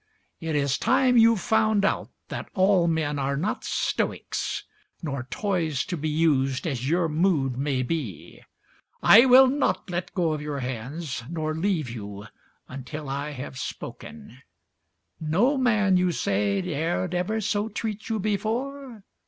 It is time you found out that all men are not stoics, Nor toys to be used as your mood may be. I will not let go of your hands, nor leave you Until I have spoken. No man, you say, Dared ever so treat you before?